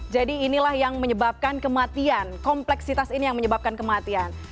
jadi inilah yang menyebabkan kematian kompleksitas ini yang menyebabkan kematian